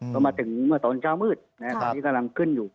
พอมาถึงเมื่อสโตรเช้ามืดครับก็กำลังขึ้นอยู่